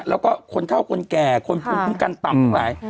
แล้วก็คนเท่าคนแก่คนภูมิคุ้มกันต่ำทั้งหลาย